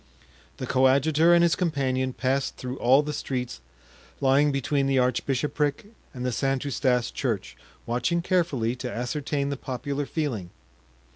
The coadjutor and his companion passed through all the streets lying between the archbishopric and the St. Eustache Church, watching carefully to ascertain the popular feeling.